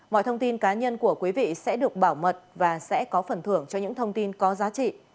mọi thông tin cá nhân của quý vị sẽ được bảo mật và sẽ có phần thưởng cho những thông tin có giá trị